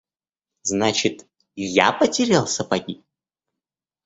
Значит я потерял сапоги?